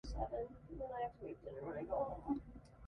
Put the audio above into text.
A new plaque was unveiled at the event.